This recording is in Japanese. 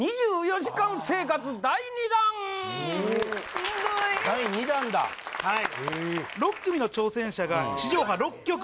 しんどい第２弾だはい